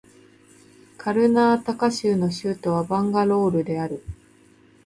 カルナータカ州の州都はバンガロールである